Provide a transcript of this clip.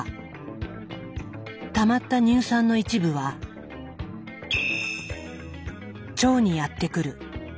たまった乳酸の一部は腸にやってくる。